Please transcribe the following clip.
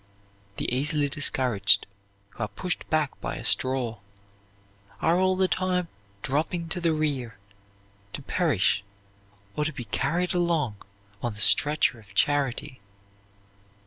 The easily discouraged, who are pushed back by a straw, are all the time dropping to the rear to perish or to be carried along on the stretcher of charity.